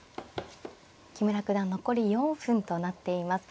木村九段残り４分となっています。